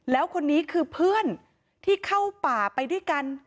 แล้วคนนี้คือเพื่อนที่เข้าป่าไปด้วยกัน